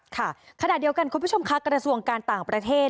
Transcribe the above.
ค่ะขณะเดียวกันคุณผู้ชมค่ะกระทรวงการต่างประเทศ